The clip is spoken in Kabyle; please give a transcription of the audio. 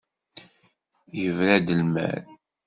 Yebra-d lmal.